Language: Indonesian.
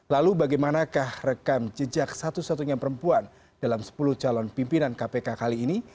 lalu bagaimanakah rekam jejak satu satunya perempuan dalam sepuluh calon pimpinan kpk kali ini